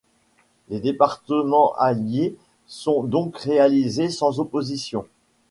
Les débarquements alliés sont donc réalisés sans opposition.